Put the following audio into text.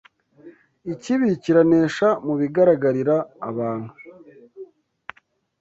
Ikibi kiranesha mu bigaragarira abantu